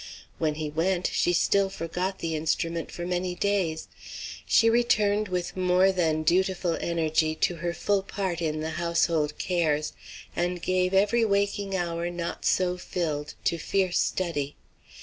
When he went, she still forgot the instrument for many days. She returned with more than dutiful energy to her full part in the household cares, and gave every waking hour not so filled to fierce study.